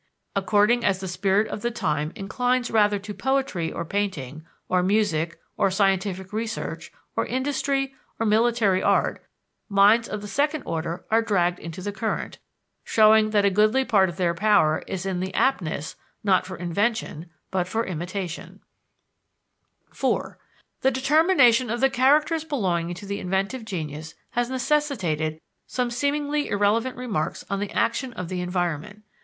According as the spirit of the time inclines rather to poetry or painting, or music, or scientific research, or industry, or military art, minds of the second order are dragged into the current showing that a goodly part of their power is in the aptness, not for invention, but for imitation. IV The determination of the characters belonging to the inventive genius has necessitated some seemingly irrelevant remarks on the action of the environment.